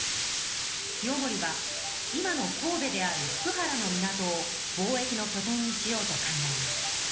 清盛は今の神戸である福原の港を貿易のきょ点にしようと考えます。